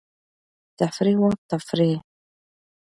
د تفریح وخت تفریح.